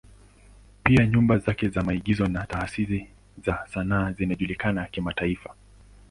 Pia nyumba zake za maigizo na taasisi za sanaa zinajulikana kimataifa.